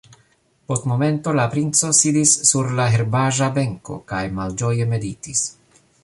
Post momento la princo sidis sur la herbaĵa benko kaj malĝoje meditis.